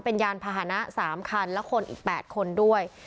เป็นยานพาหนะ๓คันและคนอีก๘คนด้วย